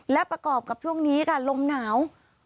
และประกอบกับช่วงนี้ค่ะลมหนาว